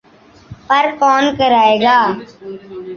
پر کون کرائے گا؟